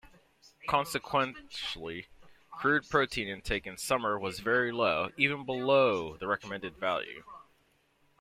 Consequently crude protein intake in summer was very low, even below the recommended value.